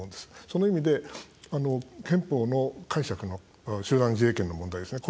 その意味で、憲法の解釈の集団自衛権の問題ですね。